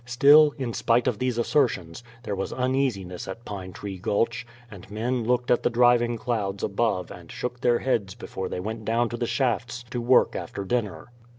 Still, in spite of these assertions, there was uneasiness at Pine Tree Gulch, and men looked at the driving clouds above and shook their heads before they went down to the shafts to work after dinner.